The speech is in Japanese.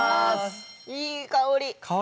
いい香り！